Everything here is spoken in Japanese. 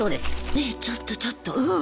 ねえちょっとちょっとうん！